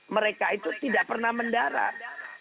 mereka itu tidak pernah mendarat